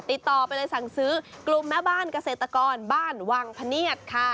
ติดต่อไปเลยสั่งซื้อกลุ่มแม่บ้านเกษตรกรบ้านวังพะเนียดค่ะ